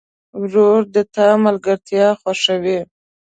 ورور د تا ملګرتیا خوښوي.